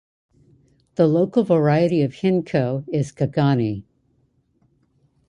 The local variety of Hindko is Kaghani.